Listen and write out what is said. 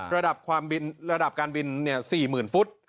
ระดับการบิน๔๐๐๐๐ฟุต